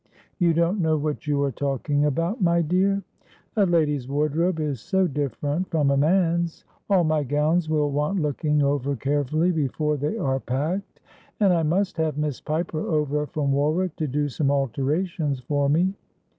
' You don't know what you are talking about, my dear. A lady's wardrobe is so different from a man's. All my gowns will want looking over carefully before they are packed. And I must have Miss Piper over from Warwick to do some alterations for me.